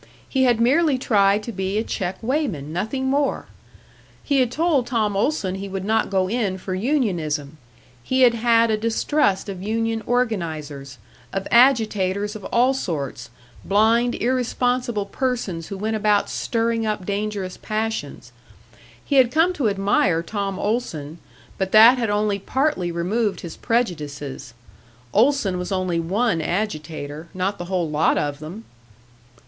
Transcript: He had merely tried to be a check weighman, nothing more! He had told Tom Olson he would not go in for unionism; he had had a distrust of union organisers, of agitators of all sorts blind, irresponsible persons who went about stirring up dangerous passions. He had come to admire Tom Olson but that had only partly removed his prejudices; Olson was only one agitator, not the whole lot of them!